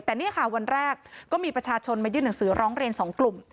แต่วันแรกก็มีประชาชนมายื่นหนังสือร้องเรนสองกลุ่ม